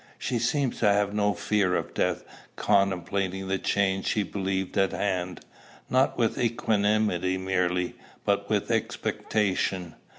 She seemed to have no fear of death, contemplating the change she believed at hand, not with equanimity merely, but with expectation.